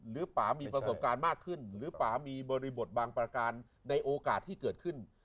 ป่ามีประสบการณ์มากขึ้นหรือป่ามีบริบทบางประการในโอกาสที่เกิดขึ้น